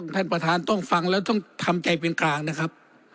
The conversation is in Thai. ท่านประธานต้องฟังแล้วต้องทำใจเป็นกลางนะครับ